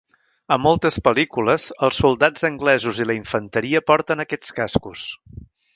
A moltes pel·lícules, els soldats anglesos i la infanteria porten aquests cascos.